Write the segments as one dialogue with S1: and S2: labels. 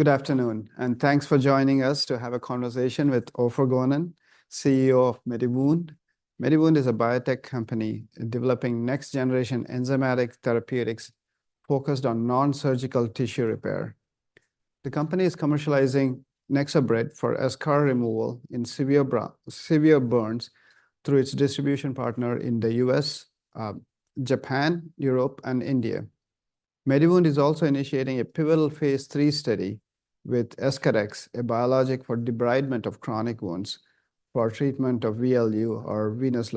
S1: Good afternoon, and thanks for joining us to have a conversation with Ofer Gonen, CEO of MediWound. MediWound is a biotech company developing next-generation enzymatic therapeutics focused on non-surgical tissue repair. The company is commercializing NexoBrid for eschar removal in severe burns through its distribution partner in the U.S., Japan, Europe, and India. MediWound is also initiating a pivotal phase III study with EscharEx, a biologic for debridement of chronic wounds, for treatment of VLU, or Venous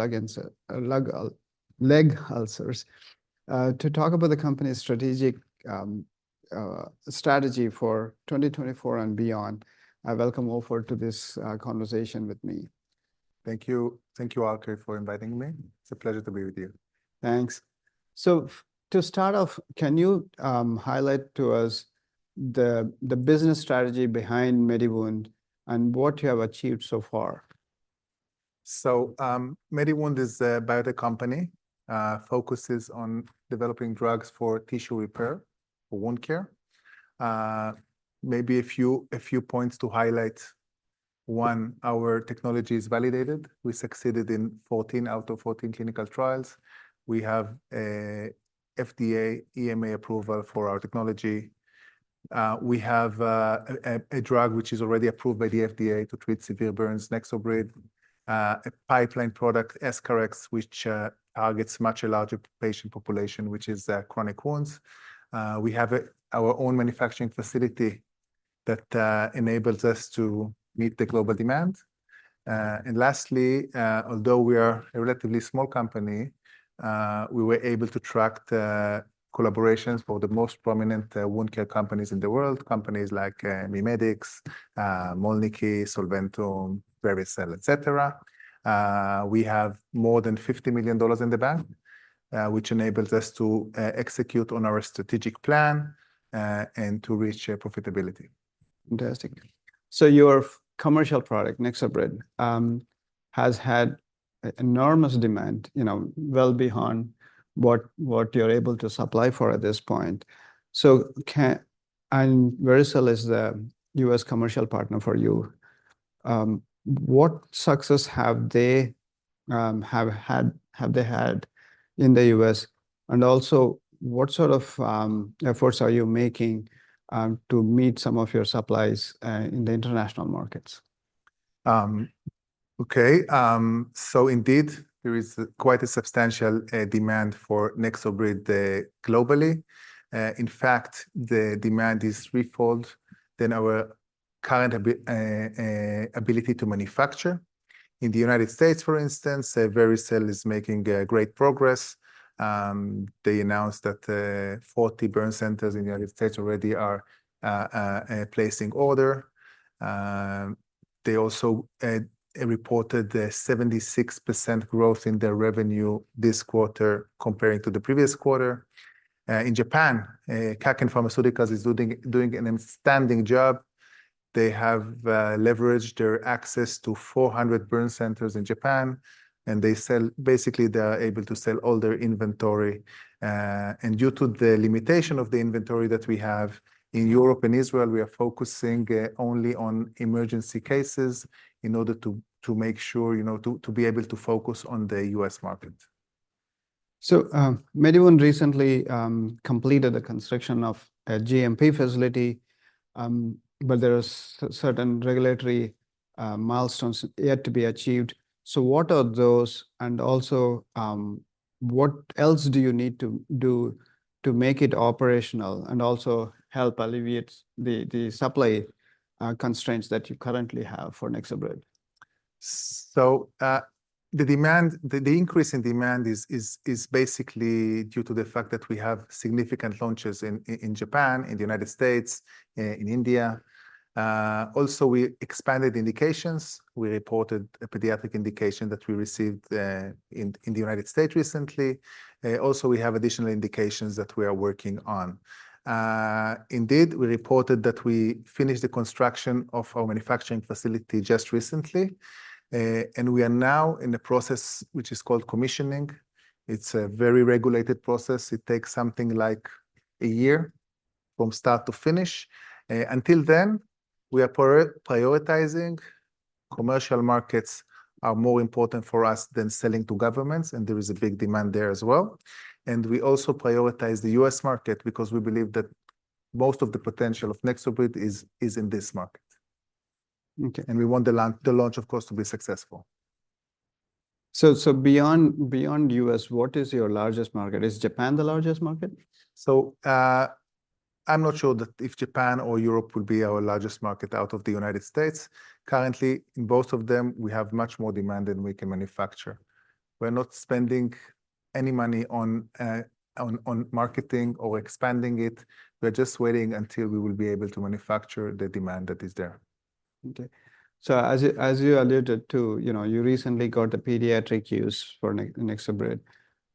S1: Leg Ulcers. To talk about the company's strategy for 2024 and beyond, I welcome Ofer to this conversation with me.
S2: Thank you. Thank you, Alky, for inviting me. It's a pleasure to be with you. Thanks. So to start off, can you highlight to us the business strategy behind MediWound and what you have achieved so far? MediWound is a biotech company, focuses on developing drugs for tissue repair for wound care. Maybe a few points to highlight. One, our technology is validated. We succeeded in 14 out of 14 clinical trials. We have an FDA and EMA approval for our technology. We have a drug which is already approved by the FDA to treat severe burns, NexoBrid, a pipeline product, EscharEx, which targets much larger patient population, which is chronic wounds. We have our own manufacturing facility that enables us to meet the global demand. And lastly, although we are a relatively small company, we were able to attract collaborations for the most prominent wound care companies in the world, companies like MiMedx, Mölnlycke, Solventum, Vericel, et cetera. We have more than $50 million in the bank, which enables us to execute on our strategic plan, and to reach profitability. Fantastic. So your commercial product, NexoBrid, has had enormous demand, you know, well beyond what you're able to supply for at this point. So can... And Vericel is the U.S. commercial partner for you. What success have they had in the U.S., and also what sort of efforts are you making to meet some of your supplies in the international markets? Okay, so indeed, there is quite a substantial demand for NexoBrid globally. In fact, the demand is threefold than our current ability to manufacture. In the United States, for instance, Vericel is making great progress. They announced that 40 burn centers in the United States already are placing order. They also reported a 76% growth in their revenue this quarter compared to the previous quarter. In Japan, Kaken Pharmaceuticals is doing an outstanding job. They have leveraged their access to 400 burn centers in Japan, and they sell, basically, they are able to sell all their inventory. And due to the limitation of the inventory that we have in Europe and Israel, we are focusing only on emergency cases in order to make sure, you know, to be able to focus on the U.S. market. So, MediWound recently completed the construction of a GMP facility, but there are certain regulatory milestones yet to be achieved. So what are those? And also, what else do you need to do to make it operational, and also help alleviate the supply constraints that you currently have for NexoBrid? So, the demand, the increase in demand is basically due to the fact that we have significant launches in Japan, in the United States, in India. Also, we expanded indications. We reported a pediatric indication that we received in the United States recently. Also, we have additional indications that we are working on. Indeed, we reported that we finished the construction of our manufacturing facility just recently, and we are now in the process, which is called commissioning. It's a very regulated process. It takes something like a year from start to finish. Until then, we are prioritizing. Commercial markets are more important for us than selling to governments, and there is a big demand there as well. We also prioritize the U.S. market because we believe that most of the potential of NexoBrid is in this market. Okay. We want the launch, of course, to be successful. So, beyond U.S., what is your largest market? Is Japan the largest market? I'm not sure that if Japan or Europe will be our largest market out of the United States. Currently, in both of them, we have much more demand than we can manufacture. We're not spending any money on marketing or expanding it. We're just waiting until we will be able to manufacture the demand that is there. Okay. So as you alluded to, you know, you recently got the pediatric use for NexoBrid.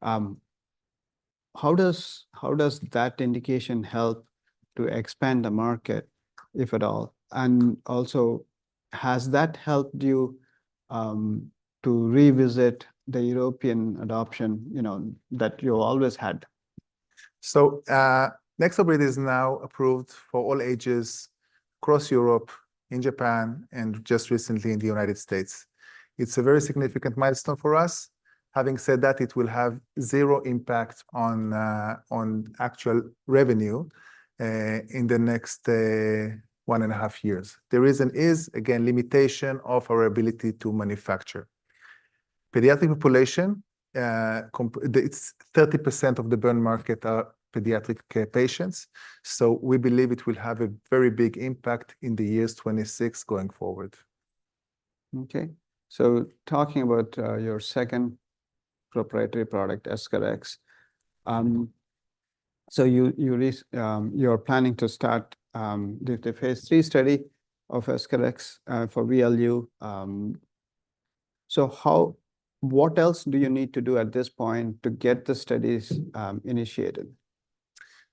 S2: How does that indication help to expand the market, if at all? And also, has that helped you to revisit the European adoption, you know, that you always had? NexoBrid is now approved for all ages across Europe, in Japan, and just recently in the United States. It's a very significant milestone for us. Having said that, it will have zero impact on, on actual revenue, in the next, one and a half years. The reason is, again, limitation of our ability to manufacture. Pediatric population, it's 30% of the burn market are pediatric care patients, so we believe it will have a very big impact in the years 2026 going forward. Okay. So talking about your second proprietary product, EscharEx. So you're planning to start the phase III study of EscharEx for VLU. So how, what else do you need to do at this point to get the studies initiated?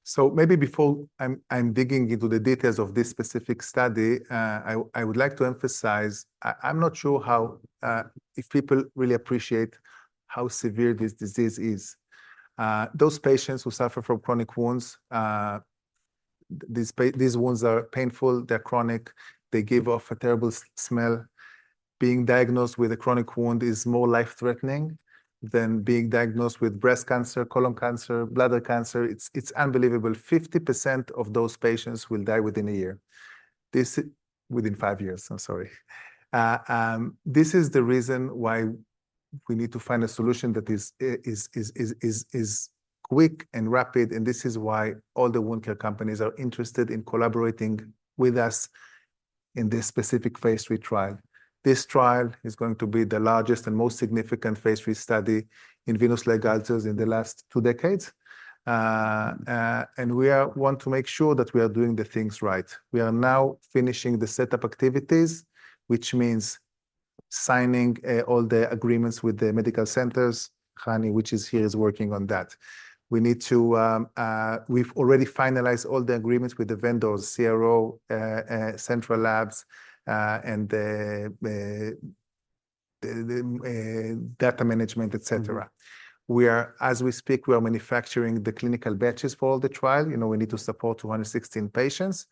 S2: So maybe before I'm digging into the details of this specific study, I would like to emphasize. I'm not sure how if people really appreciate how severe this disease is. Those patients who suffer from chronic wounds, these wounds are painful, they're chronic, they give off a terrible smell. Being diagnosed with a chronic wound is more life-threatening than being diagnosed with breast cancer, colon cancer, bladder cancer. It's unbelievable, 50% of those patients will die within a year, within five years, I'm sorry. This is the reason why we need to find a solution that is quick and rapid, and this is why all the wound care companies are interested in collaborating with us in this specific phase III trial. This trial is going to be the largest and most significant phase III study in Venous Leg Ulcers in the last two decades, and we want to make sure that we are doing the things right. We are now finishing the setup activities, which means signing all the agreements with the medical centers. Hani, which is here, is working on that. We need to. We've already finalized all the agreements with the vendors, CRO, central labs, and the data management, et cetera. We are, as we speak, we are manufacturing the clinical batches for all the trial. You know, we need to support 216 patients.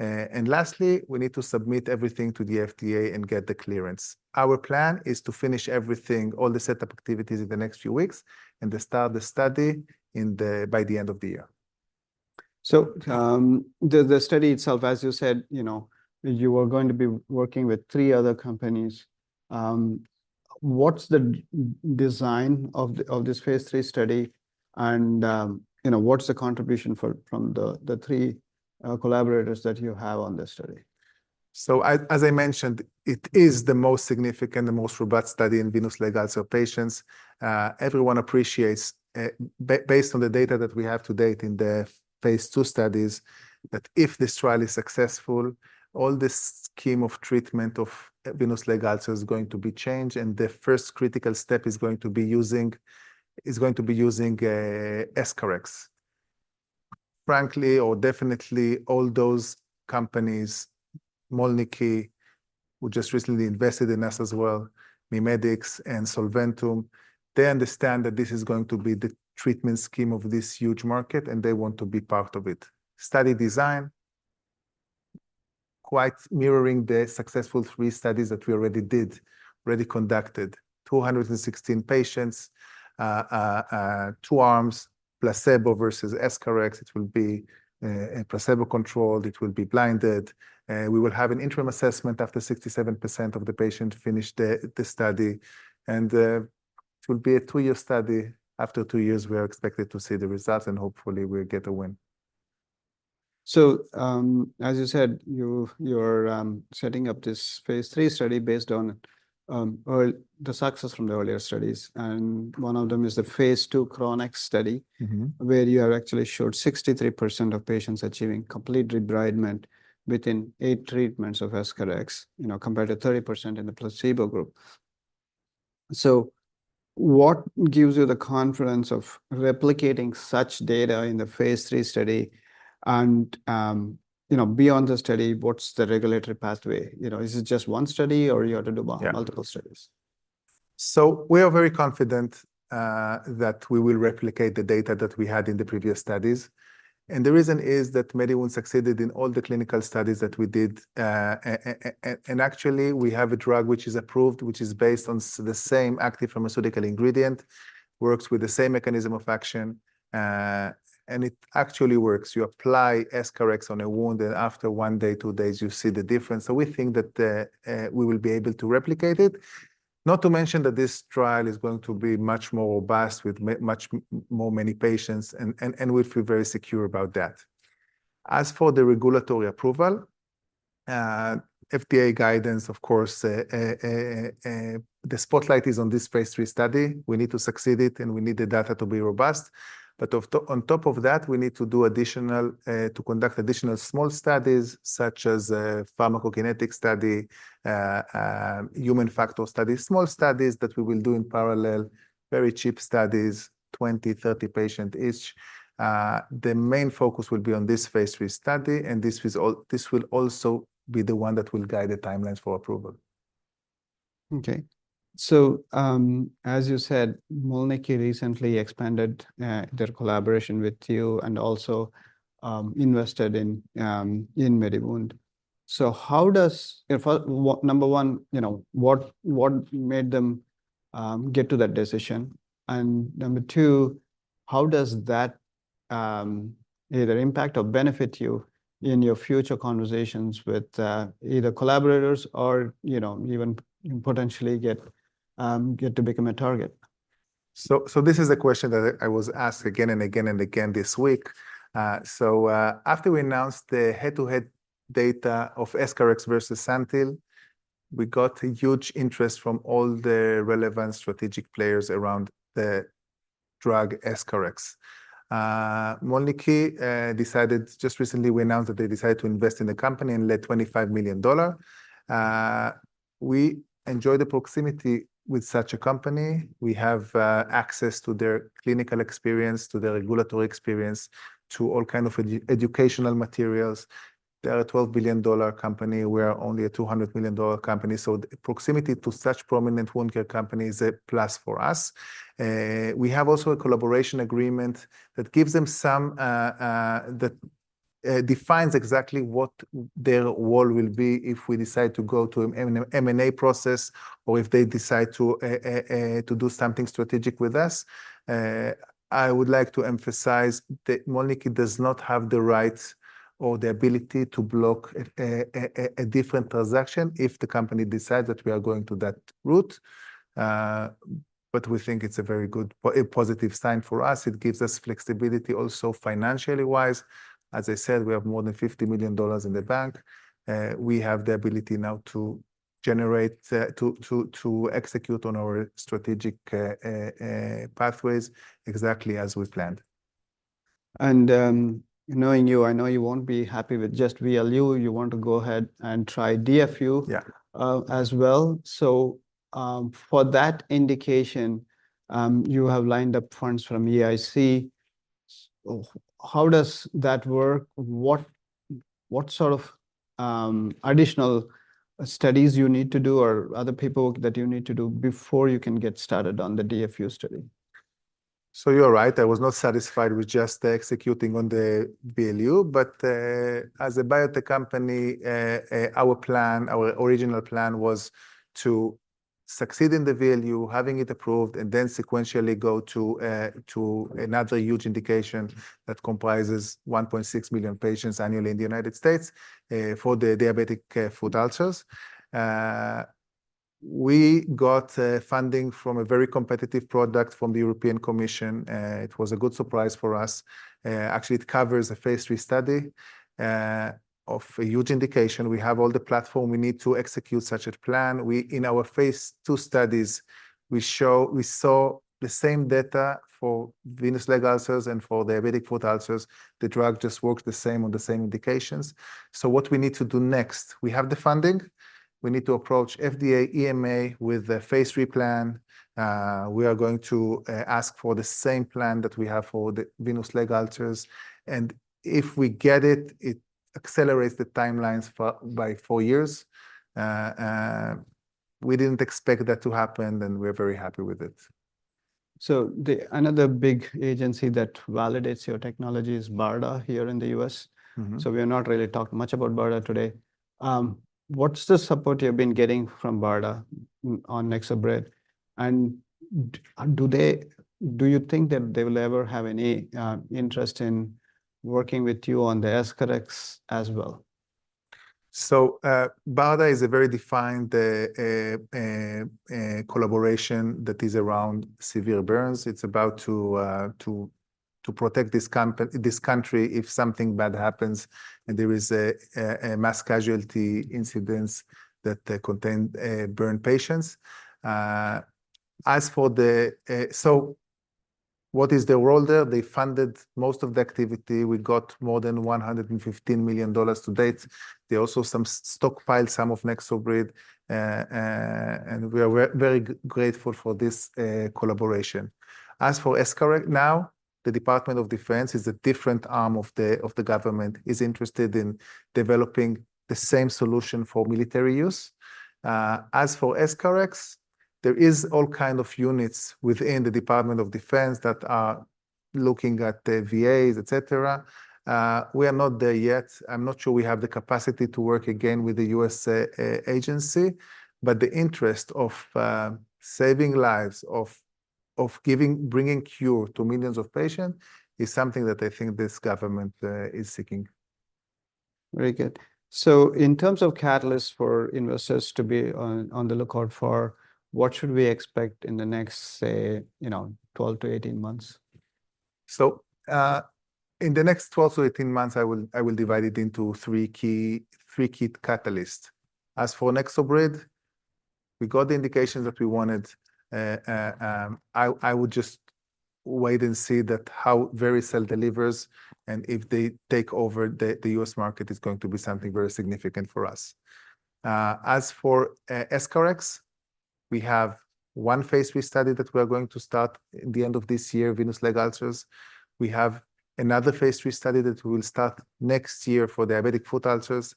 S2: Lastly, we need to submit everything to the FDA and get the clearance. Our plan is to finish everything, all the setup activities in the next few weeks, and then start the study by the end of the year. So, the study itself, as you said, you know, you are going to be working with three other companies. What's the design of this phase III study, and you know, what's the contribution from the three collaborators that you have on this study? As I mentioned, it is the most significant, the most robust study in Venous Leg Ulcer patients. Everyone appreciates, based on the data that we have to date in the phase II studies, that if this trial is successful, all the scheme of treatment of Venous Leg Ulcers is going to be changed, and the first critical step is going to be using EscharEx. Frankly or definitely, all those companies, Mölnlycke, who just recently invested in us as well, MiMedx and Solventum, they understand that this is going to be the treatment scheme of this huge market, and they want to be part of it. Study design, quite mirroring the successful three studies that we already did, conducted. 216 patients, two arms, placebo versus EscharEx. It will be placebo-controlled, it will be blinded, we will have an interim assessment after 67% of the patient finish the study, and it will be a two-year study. After two years, we are expected to see the results, and hopefully we'll get a win. So, as you said, you, you're setting up this phase III study based on, well, the success from the earlier studies, and one of them is the phase II chronic study- Mm-hmm Where you have actually showed 63% of patients achieving complete debridement within eight treatments of EscharEx, you know, compared to 30% in the placebo group. So what gives you the confidence of replicating such data in the phase III study, and, you know, beyond the study, what's the regulatory pathway? You know, is it just one study, or you have to do- Yeah... multiple studies? So we are very confident that we will replicate the data that we had in the previous studies. And the reason is that MediWound succeeded in all the clinical studies that we did. And actually, we have a drug which is approved, which is based on the same active pharmaceutical ingredient, works with the same mechanism of action, and it actually works. You apply EscharEx on a wound, and after one day, two days, you see the difference. So we think that we will be able to replicate it. Not to mention that this trial is going to be much more robust, with many patients, and we feel very secure about that. As for the regulatory approval, FDA guidance, of course, the spotlight is on this phase III study. We need to succeed it, and we need the data to be robust, but on top of that, we need to do additional, to conduct additional small studies, such as a pharmacokinetic study, human factor study. Small studies that we will do in parallel, very cheap studies, 20, 30 patient each. The main focus will be on this phase III study, and this will also be the one that will guide the timelines for approval. Okay. So, as you said, Mölnlycke recently expanded their collaboration with you and also invested in MediWound. So how does number one, you know, what made them get to that decision? And number two, how does that either impact or benefit you in your future conversations with either collaborators or, you know, even potentially get to become a target? This is a question that I was asked again and again and again this week. After we announced the head-to-head data of EscharEx versus SANTYL, we got a huge interest from all the relevant strategic players around the drug EscharEx. Mölnlycke decided. Just recently, we announced that they decided to invest in the company and led $25 million. We enjoy the proximity with such a company. We have access to their clinical experience, to their regulatory experience, to all kind of educational materials. They are a $12 billion company. We are only a $200 million company, so the proximity to such prominent wound care company is a plus for us. We have also a collaboration agreement that defines exactly what their role will be if we decide to go to an M&A process, or if they decide to do something strategic with us. I would like to emphasize that Mölnlycke does not have the right or the ability to block a different transaction if the company decides that we are going to that route. But we think it's a very good, positive sign for us. It gives us flexibility also financially wise. As I said, we have more than $50 million in the bank. We have the ability now to execute on our strategic pathways, exactly as we planned. Knowing you, I know you won't be happy with just VLU. You want to go ahead and try DFU- Yeah... as well. So, for that indication, you have lined up funds from EIC. How does that work? What sort of additional studies you need to do, or other people that you need to do before you can get started on the DFU study? So you're right. I was not satisfied with just executing on the VLU, but, as a biotech company, our plan, our original plan was to succeed in the VLU, having it approved, and then sequentially go to, to another huge indication that comprises 1.6 million patients annually in the United States, for the Diabetic Foot Ulcers. We got, funding from a very competitive product from the European Commission. It was a good surprise for us. Actually, it covers a phase III study, of a huge indication. We have all the platform we need to execute such a plan. We, in our phase II studies, we show-- we saw the same data for Venous Leg Ulcers and for Diabetic Foot Ulcers. The drug just works the same on the same indications. So what we need to do next? We have the funding. We need to approach FDA, EMA with a phase III plan. We are going to ask for the same plan that we have for the Venous Leg Ulcers, and if we get it, it accelerates the timelines by four years. We didn't expect that to happen, and we're very happy with it. Another big agency that validates your technology is BARDA, here in the U.S. Mm-hmm. So we have not really talked much about BARDA today. What's the support you've been getting from BARDA on NexoBrid? And do you think that they will ever have any interest in working with you on the EscharEx as well? BARDA is a very defined collaboration that is around severe burns. It's about to protect this country if something bad happens, and there is a mass casualty incidents that contain burn patients. As for the... What is their role there? They funded most of the activity. We got more than $115 million to date. They also stockpiled some of NexoBrid. And we are very grateful for this collaboration. As for EscharEx now, the Department of Defense is a different arm of the government is interested in developing the same solution for military use. As for EscharEx, there is all kind of units within the Department of Defense that are looking at the VAs, et cetera. We are not there yet. I'm not sure we have the capacity to work again with the U.S. agency, but the interest of saving lives, of bringing cure to millions of patients, is something that I think this government is seeking. Very good. So in terms of catalysts for investors to be on, on the lookout for, what should we expect in the next, say, you know, 12-18 months? In the next 12-18 months, I will divide it into three key catalysts. As for NexoBrid, we got the indications that we wanted. I would just wait and see how Vericel delivers, and if they take over the U.S. market, it's going to be something very significant for us. As for EscharEx, we have one phase III study that we are going to start in the end of this year, Venous Leg Ulcers. We have another phase III study that we will start next year for Diabetic Foot Ulcers,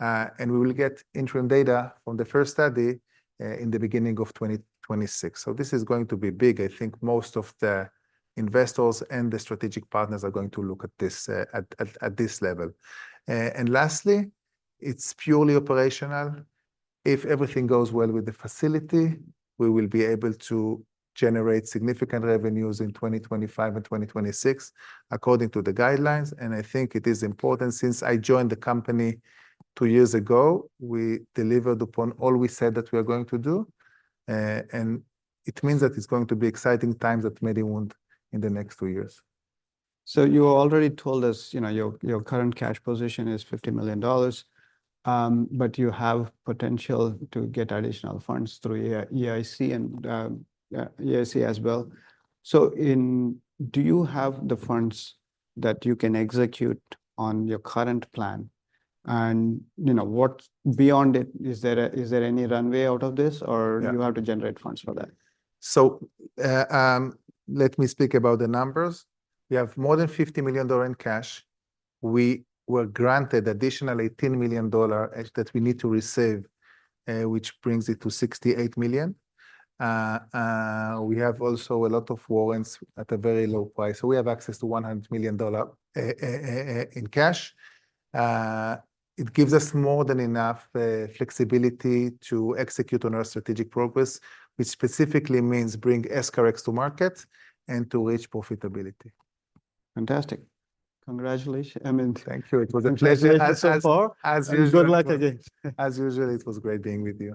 S2: and we will get interim data from the first study in the beginning of 2026. This is going to be big. I think most of the investors and the strategic partners are going to look at this, at this level. Lastly, it's purely operational. If everything goes well with the facility, we will be able to generate significant revenues in 2025 and 2026, according to the guidelines, and I think it is important. Since I joined the company two years ago, we delivered upon all we said that we are going to do, and it means that it's going to be exciting times at MediWound in the next two years. So you already told us, you know, your current cash position is $50 million, but you have potential to get additional funds through EIC as well. So, do you have the funds that you can execute on your current plan? And, you know, beyond it, is there any runway out of this- Yeah... or you have to generate funds for that? Let me speak about the numbers. We have more than $50 million in cash. We were granted additional $18 million that we need to receive, which brings it to $68 million. We have also a lot of warrants at a very low price, so we have access to $100 million in cash. It gives us more than enough flexibility to execute on our strategic progress, which specifically means bring EscharEx to market and to reach profitability. Fantastic. Congratulations, I mean- Thank you. It was a pleasure- Congratulations so far. As usual- Good luck again. As usual, it was great being with you.